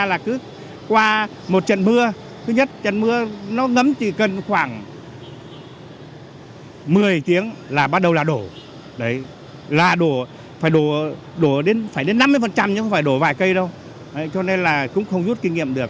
là đổ phải đổ đến năm mươi nhưng không phải đổ vài cây đâu cho nên là cũng không rút kinh nghiệm được